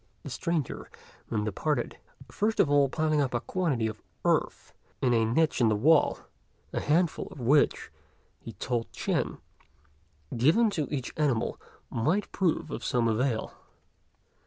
The stranger then departed, first of all piling up a quantity of earth in a niche in the wall, a handful of which, he told Ch'ên, given to each animal, might prove of some avail.